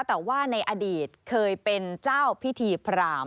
แต่ว่าในอดีตเคยเป็นเจ้าพิธีพราม